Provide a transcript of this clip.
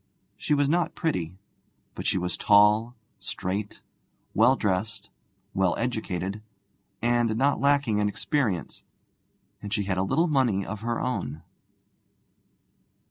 She was not pretty, but she was tall, straight, well dressed, well educated, and not lacking in experience; and she had a little money of her own.